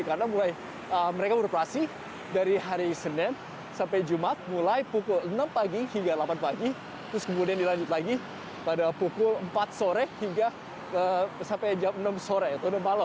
karena mereka beroperasi dari hari senin sampai jumat mulai pukul enam pagi hingga delapan pagi terus kemudian dilanjut lagi pada pukul empat sore hingga sampai jam enam sore atau enam malam